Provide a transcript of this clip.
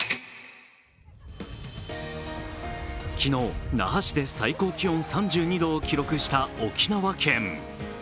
昨日、那覇市で最高気温３２度を記録した沖縄県。